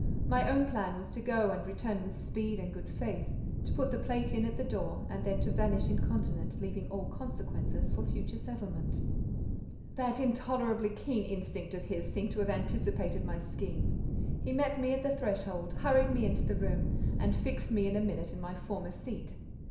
My own plan was to go and return with speed and good faith, to put the plate in at the door, and then to vanish incontinent, leaving all consequences for future settlement. That intolerably keen instinct of his seemed to have anticipated my scheme: he met me at the threshold, hurried me into the room, and fixed me in a minute in my former seat.